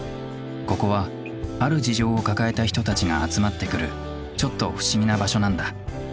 ここはある事情を抱えた人たちが集まってくるちょっと不思議な場所なんだ。